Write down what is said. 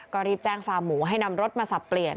ก็รีบแจ้งฟาร์หมูให้นำรถมาสับเปลี่ยน